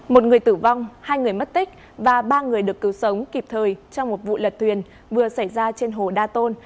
một người tử vong hai người mất tích và ba người được cứu sống kịp thời trong một vụ lật thuyền vừa xảy ra trên hồ đa tôn